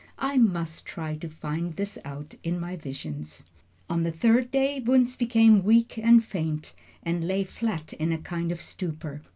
I must try to find this out in my visions." On the third day Yfunzh became weak and faint, and lay flat in a kind of stupor.